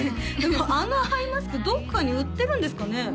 でもあのアイマスクどっかに売ってるんですかね？